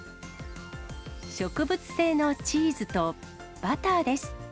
植物性のチーズとバターです。